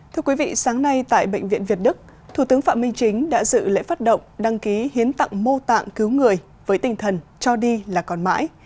thưa quý vị sáng nay tại bệnh viện việt đức thủ tướng phạm minh chính đã dự lễ phát động đăng ký hiến tặng mô tạng cứu người với tinh thần cho đi là còn mãi